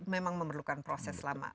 memang memerlukan proses lama